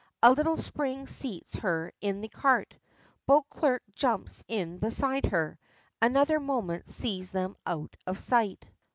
A little spring seats her in the cart. Beauclerk jumps in beside her. Another moment sees them out of sight.